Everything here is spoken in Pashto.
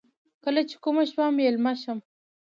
کله یې کومه شپه میلمه شم.